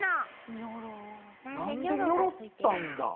何でニョロったんだ？